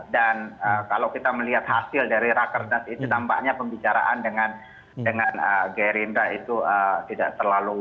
dan kalau kita melihat hasil dari raker nas itu tampaknya pembicaraan dengan gerinda itu tidak terlalu